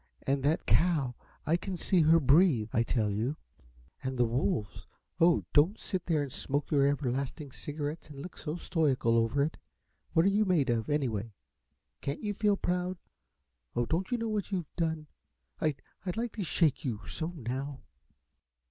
And that cow I can see her breathe, I tell you! And the wolves oh, don't sit there and smoke your everlasting cigarettes and look so stoical over it! What are you made of, anyway? Can't you feel proud? Oh, don't you know what you've done? I I'd like to shake you so now!"